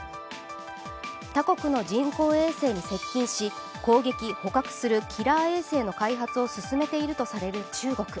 他国の人工衛星に接近し、攻撃・捕獲するキラー衛星の開発を進めているとされる中国。